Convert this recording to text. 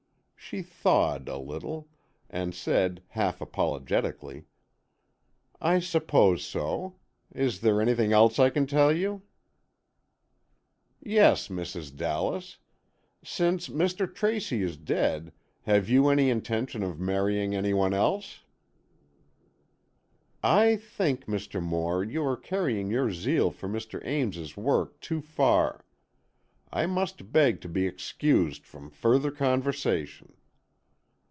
She thawed a little, and said, half apologetically, "I suppose so. Is there anything else I can tell you?" "Yes, Mrs. Dallas. Since Mr. Tracy is dead, have you any intention of marrying any one else?" "I think, Mr. Moore, you are carrying your zeal for Mr. Ames's work too far. I must beg to be excused from further conversation."